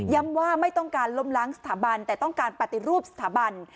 ว่าไม่ต้องการล้มล้างสถาบันแต่ต้องการปฏิรูปสถาบัน